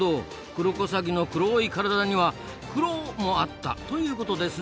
クロコサギの黒い体にはクロもあったということですな。